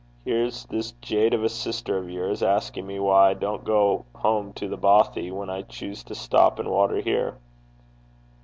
'Here's this jade of a sister of yours asking me why I don't go home to The Bothie, when I choose to stop and water here.'